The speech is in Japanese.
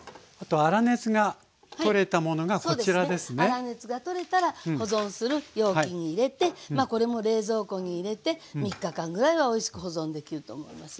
粗熱が取れたら保存する容器に入れてこれも冷蔵庫に入れて３日間ぐらいはおいしく保存できると思いますよ。